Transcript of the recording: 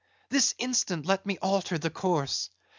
—this instant let me alter the course!